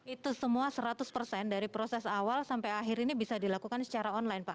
itu semua seratus persen dari proses awal sampai akhir ini bisa dilakukan secara online pak